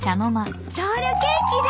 ロールケーキだ！